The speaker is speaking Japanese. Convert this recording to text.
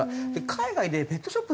海外でペットショップ